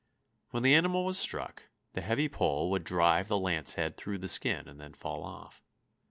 When the animal was struck, the heavy pole would drive the lancehead through the skin and then fall off.